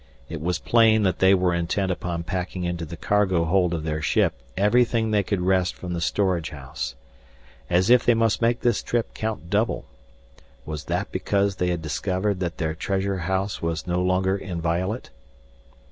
It was plain that they were intent upon packing into the cargo hold of their ship everything they could wrest from the storage house. As if they must make this trip count double. Was that because they had discovered that their treasure house was no longer inviolate?